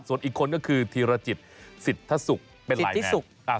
ส่วนอีกคนก็คือธีรจิตสิทธสุกเป็นไลน์แมน